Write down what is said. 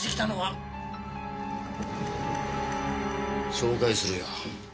紹介するよ。